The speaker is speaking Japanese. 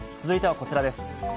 続いてはこちらです。